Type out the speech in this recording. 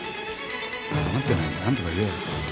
黙ってないで何とか言えよ。